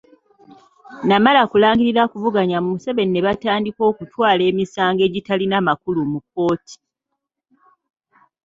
Namala kulangirira kuvuganya Museveni ne batandika okutwala emisango egitalina makulu mu kkooti.